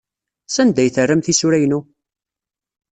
Sanda ay terram tisura-inu?